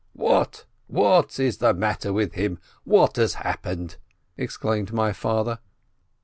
What? What is the matter with him? What has happened?" exclaimed my father.